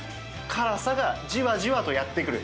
辛さがじわじわとやって来る。